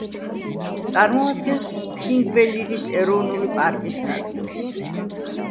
წარმოადგენს თინგველირის ეროვნული პარკის ნაწილს.